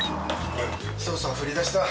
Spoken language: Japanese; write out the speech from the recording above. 捜査は振り出しだ。